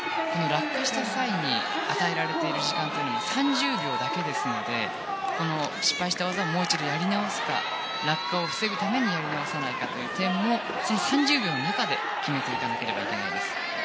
落下した際に与えられている時間は３０秒だけですので失敗した技をもう一度やり直すか落下を防ぐためにやり直さないかという点も３０秒の中で決めなければいけないです。